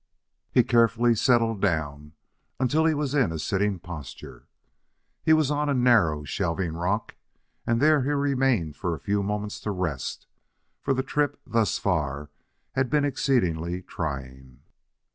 He carefully settled down until he was in a sitting posture. He was on a narrow, shelving rock, and there he remained for a few moments to rest, for the trip thus far had been exceedingly trying.